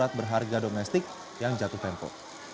alat berharga domestik yang jatuh tempo